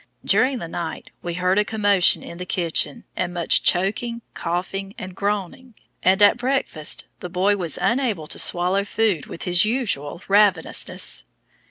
During the night we heard a commotion in the kitchen and much choking, coughing, and groaning, and at breakfast the boy was unable to swallow food with his usual ravenousness.